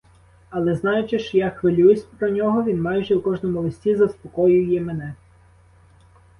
Але, знаючи, що я хвилююсь про нього, він майже у кожному листі заспокоює мене.